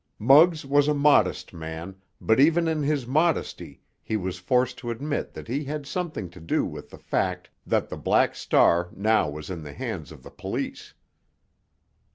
Muggs was a modest man, but even in his modesty he was forced to admit that he had something to do with the fact that the Black Star now was in the hands of the police.